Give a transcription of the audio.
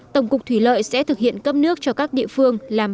tổng cục thủy lợi sẽ thực hiện cấp nước cho các địa phương làm bằng nước